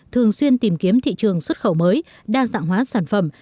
thường xuyên tìm kiếm thị trường xuất khẩu mới đa dạng hóa sản phẩm